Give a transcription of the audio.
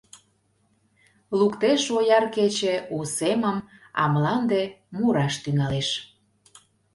Луктеш ояр кече у семым, А мланде мураш тӱҥалеш.